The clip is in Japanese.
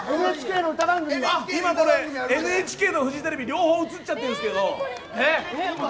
今、これＮＨＫとフジテレビ両方映っちゃってるんですけど。